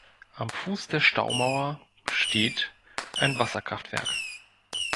Am Fuß der Staumauer steht ein Wasserkraftwerk.